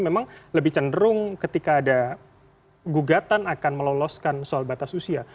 memang lebih cenderung ketika ada gugatan akan meloloskan soal batas usia